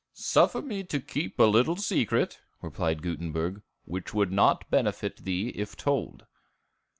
"Suffer me to keep a little secret," replied Gutenberg, "which would not benefit thee if told."